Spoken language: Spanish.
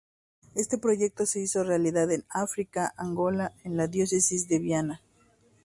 Este proyecto se hizo realidad en África, Angola, en la Diócesis de Viana.